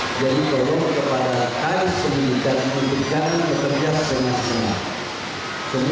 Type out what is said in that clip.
jadi berhubung kepada kais pembinaan pembinaan bekerja semangat semangat